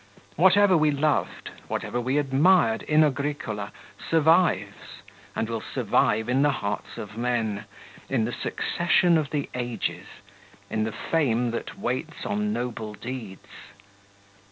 Whatever we loved, whatever we admired in Agricola, survives, and will survive in the hearts of men, in the succession of the ages, in the fame that waits on noble deeds.